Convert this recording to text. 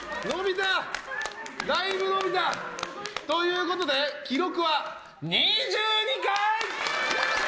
だいぶ伸びた！ということで記録は２２回！